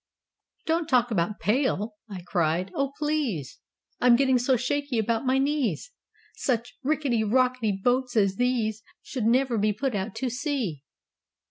'Don't talk about "pale,"' I cried. 'Oh, please! I'm getting so shaky about my knees; Such rickety rockety boats as these Should never put out to sea.